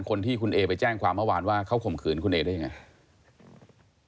คนที่คุณเอไปแจ้งความเมื่อวานว่าเขาข่มขืนคุณเอได้ยังไง